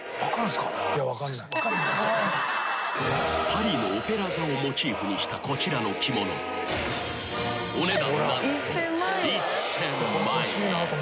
［パリのオペラ座をモチーフにしたこちらの着物お値段何と］